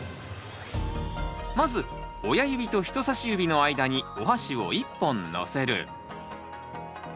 まず親指と人さし指の間におはしを１本のせる。